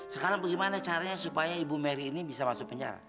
sekarang bagaimana caranya supaya ibu mary ini bisa masuk penjara